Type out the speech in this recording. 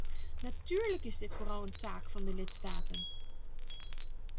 Natuurlijk is dit vooral een taak van de lidstaten.